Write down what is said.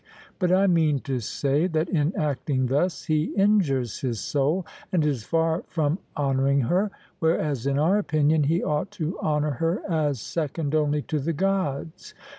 But I mean to say that in acting thus he injures his soul, and is far from honouring her; whereas, in our opinion, he ought to honour her as second only to the Gods.